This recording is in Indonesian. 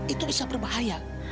itu bisa berbahaya